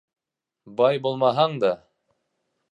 Бай булмаһаң да